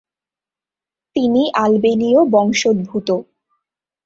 তিনি আলবেনীয় বংশোদ্ভূত।